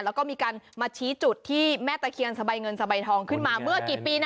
แล้วก็มีการมาชี้จุดที่แม่ตะเคียนสบายเงินสบายทองขึ้นมาเมื่อกี่ปีนะ